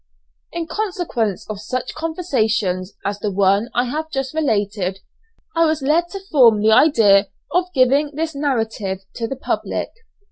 In consequence of such conversations as the one I have just related, I was led to form the idea of giving this narrative to the public.